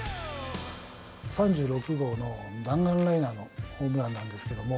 ３６号の弾丸ライナーのホームランなんですけれども。